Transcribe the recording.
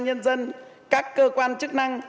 nhân dân các cơ quan chức năng